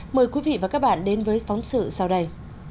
mời quý vị và các bạn đến với phóng sự sau đây